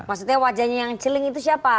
maksudnya wajahnya yang celing itu siapa